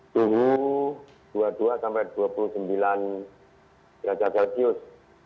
suhu dua puluh dua sampai dua puluh sembilan derajat celcius